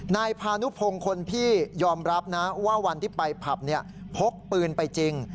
นายพานุพงศ์คนพี่ยอมรับนะว่าวันที่ไปผับพกปืนไปจริง